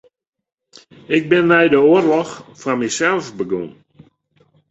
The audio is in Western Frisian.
Ik bin nei de oarloch foar mysels begûn.